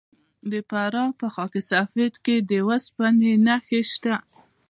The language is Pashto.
د فراه په خاک سفید کې د وسپنې نښې شته.